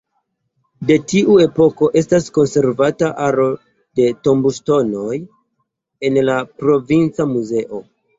De tiu epoko estas konservata aro de tomboŝtonoj en la Provinca Muzeo.